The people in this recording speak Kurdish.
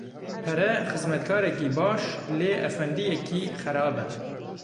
Pere, xizmetkarekî baş lê efendiyekî xerab e.